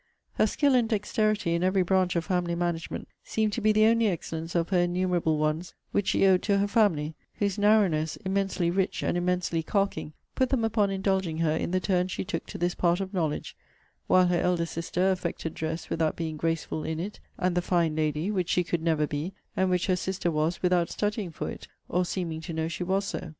Her skill and dexterity in every branch of family management seem to be the only excellence of her innumerable ones which she owed to her family; whose narrowness, immensely rich, and immensely carking, put them upon indulging her in the turn she took to this part of knowledge; while her elder sister affected dress without being graceful in it; and the fine lady, which she could never be; and which her sister was without studying for it, or seeming to know she was so.